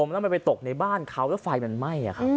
นั่นแหละสิ